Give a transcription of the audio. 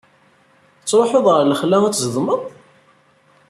Tettṛuḥuḍ ɣer lexla ad zedmeḍ?